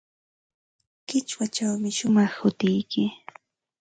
Qichwachawmi shumaq hutiyki.